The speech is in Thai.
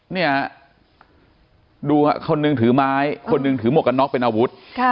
เนี่ยดูคนหนึ่งถือไม้คนหนึ่งถือหมวกกันน็อกเป็นอาวุธ